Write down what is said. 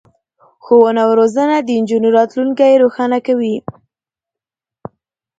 ښوونه او روزنه د نجونو راتلونکی روښانه کوي.